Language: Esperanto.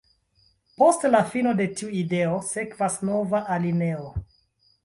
Post la fino de tiu ideo, sekvas nova alineo.